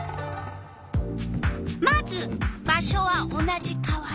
まず場所は同じ川原。